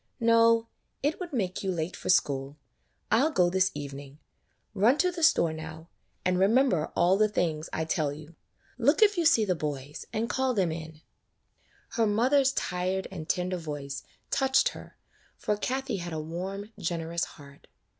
"No; it would make you late for school. I 'll go this evening. Run to the store now, and remember all the things I tell you. Look if you see the boys, and call them in." [ 32 ] KATHIE^S FAIRY LAND Her mother's tired and tender voice touched her, for Kathie had a warm, generous heart.